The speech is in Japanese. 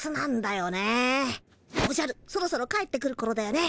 おじゃるそろそろ帰ってくるころだよね。